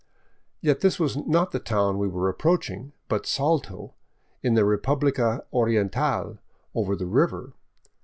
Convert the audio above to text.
Yet this was not the town' we were approaching, but Salto, in the " Republica Oriental " over the river.